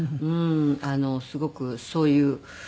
すごくそういう。